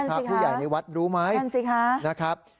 พระผู้ใหญ่ในวัดรู้ไหมนะครับ